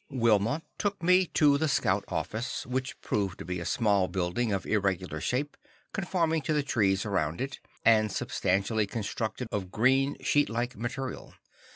Wilma took me to the Scout office, which proved to be a small building of irregular shape, conforming to the trees around it, and substantially constructed of green sheet like material.